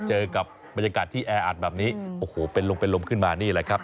เจอกับบรรยากาศที่แออัดแบบนี้โอ้โหเป็นลมเป็นลมขึ้นมานี่แหละครับ